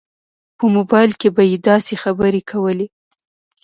په موبایل کې به یې داسې خبرې کولې.